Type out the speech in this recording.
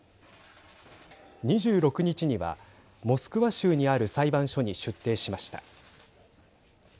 ２６日には、モスクワ州にある裁判所に出廷しました。